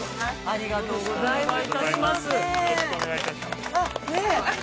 ありがとうございます。